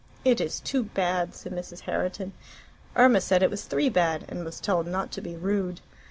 "It is too bad," said Mrs. Herriton. Irma said it was three bad, and was told not to be rude.